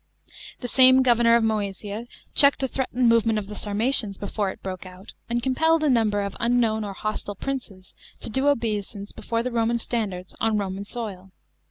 The same governor of Mcesia checked a threatened movement of the Sarmatians before it broke out, and compelled a number of unknown or hostile princes to do obeisance before the Roman standards on Roman soil.